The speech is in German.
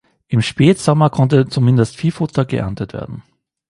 Im Spätsommer konnte zumindest Viehfutter geerntet werden.